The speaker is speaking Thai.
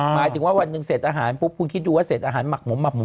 หมายถึงว่าวันหนึ่งเสร็จอาหารปุ๊บคุณคิดดูว่าเสร็จอาหารหมักหมักหมู